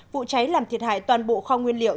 vụ cháy làm thiệt hại toàn bộ kho nguyên liệu